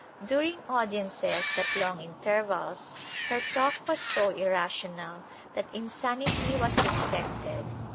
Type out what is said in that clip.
During audiences at long intervals her talk was so irrational that insanity was suspected.